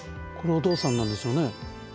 これお父さんなんでしょうね。